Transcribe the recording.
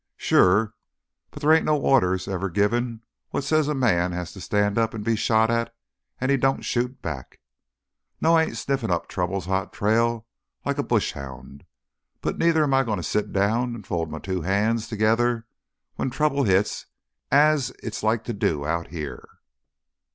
"Sure. But there ain't no order ever given what says a man has to stand up an' be shot at an' he don't shoot back. No, I ain't sniffin' up trouble's hot trail like a bush hound. But neither am I goin' t' sit down an' fold my two hands together when trouble hits as it's like to do out here."